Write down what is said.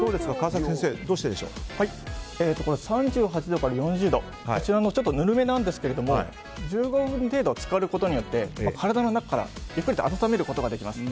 ３８度から４０度ぬるめなんですけど１５分程度、浸かることによって体の中からゆっくりと温めることができます。